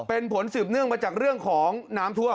เป็นผลสืบเนื่องมาจากเรื่องของน้ำท่วม